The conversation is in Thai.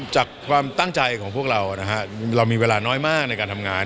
จากความตั้งใจของพวกเรานะฮะเรามีเวลาน้อยมากในการทำงาน